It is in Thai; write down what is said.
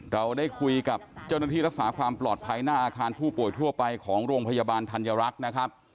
เราได้คุยกับเจ้าหน้าที่รักษาความปลอดภัยหน้าอาคารผู้ป่วยทั่วไปของโรงพยาบาลธัญรักษ์นะครับ